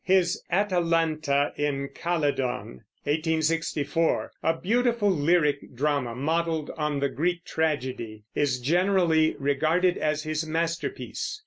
His Atalanta in Calydon (1864), a beautiful lyric drama modeled on the Greek tragedy, is generally regarded as his masterpiece.